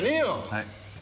はい。